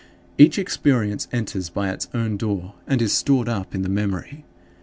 Each experience enters by its own door, and is stored up in the memory.